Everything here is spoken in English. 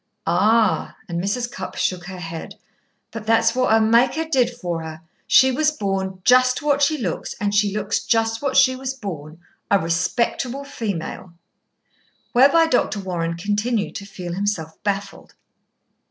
'" "Ah!" and Mrs. Cupp shook her head, "but that's what her Maker did for her. She was born just what she looks, and she looks just what she was born, a respectable female." Whereby Dr. Warren continued to feel himself baffled.